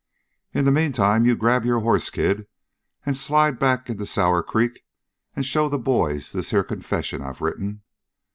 In the meantime you grab your hoss, kid, and slide back into Sour Creek and show the boys this here confession I've written.